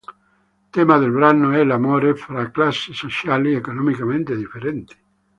Tema del brano è l'amore fra classi sociali economicamente differenti.